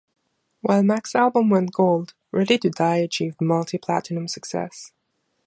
While Mack's album went gold, "Ready to Die" achieved multi-platinum success.